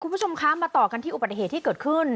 คุณผู้ชมคะมาต่อกันที่อุบัติเหตุที่เกิดขึ้น